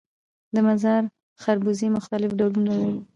د مزار خربوزې مختلف ډولونه لري